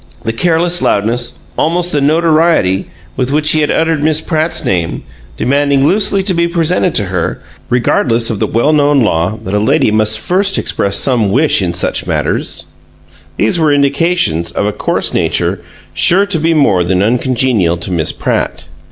The careless loudness almost the notoriety with which he had uttered Miss Pratt's name, demanding loosely to be presented to her, regardless of the well known law that a lady must first express some wish in such matters these were indications of a coarse nature sure to be more than uncongenial to Miss Pratt.